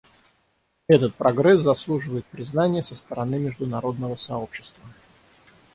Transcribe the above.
Этот прогресс заслуживает признания со стороны международного сообщества.